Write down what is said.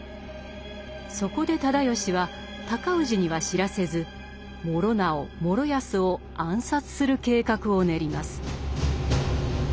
そこで直義は尊氏には知らせず師直・師泰を暗殺する計画を練ります。